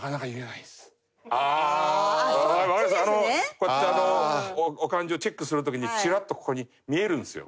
こうやってお勘定チェックする時にチラッとここに見えるんですよ。